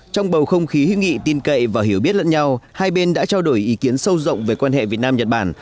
trong bầu không khí hữu nghị tin cậy và hiểu biết lẫn nhau hai bên đã trao đổi ý kiến sâu rộng về quan hệ việt nam nhật bản